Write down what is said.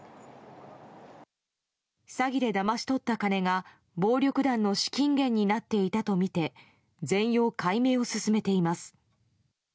詐欺でだまし取った金が暴力団の資金源になっていたとみて全容解明を進めています。